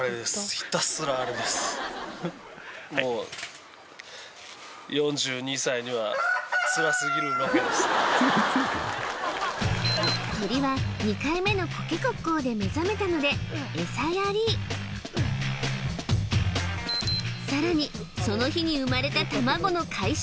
ひたすらあれですもう鶏は２回目のコケコッコーで目覚めたのでエサやりさらにその日に産まれた卵の回収・